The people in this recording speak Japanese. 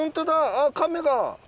あっカメが。